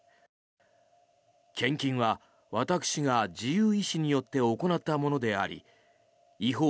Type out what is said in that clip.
献金は私が自由意思によって行ったものであり違法